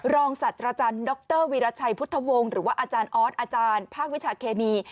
สัตว์อาจารย์ดรวีรชัยพุทธวงศ์หรือว่าอาจารย์ออสอาจารย์ภาควิชาเคมี